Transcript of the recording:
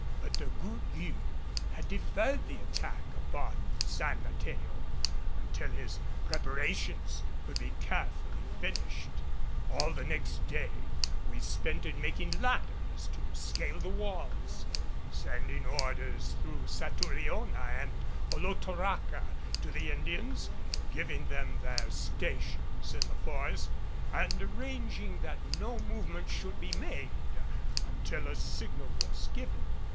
But De Gourgues had deferred the attack upon San Mateo until his preparations could be carefully finished. All the next day we spent in making ladders to scale the walls; sending orders through Satouriona and Olotoraca to the Indians, giving them their stations in the forest and arranging that no movement should be made until a signal was given.